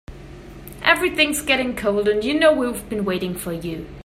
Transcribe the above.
Everything's getting cold and you know we've been waiting for you.